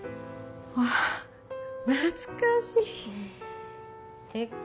あっ懐かしいえっ